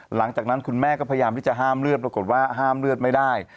หลังจากนั้นคุณแม่ก็พยายามที่จะห้ามเลือดปรากฏว่าห้ามเลือดไม่ได้